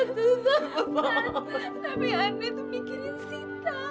tante tapi andrei tuh mikirin sita